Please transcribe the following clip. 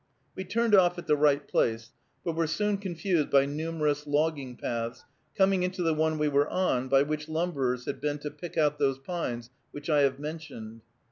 We turned off at the right place, but were soon confused by numerous logging paths, coming into the one we were on, by which lumberers had been to pick out those pines which I have mentioned.